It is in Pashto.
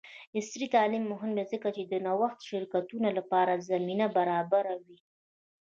عصري تعلیم مهم دی ځکه چې د نوښتي شرکتونو لپاره زمینه برابروي.